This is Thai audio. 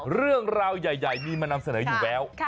เรื่องราวใหญ่มีมานำเสนออยู่แล้ว